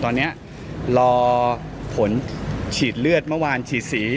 ตอนนี้รอผลฉีดเลือดเมื่อวานฉีดสี